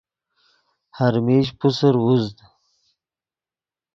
ہر میش پوسر اُوزد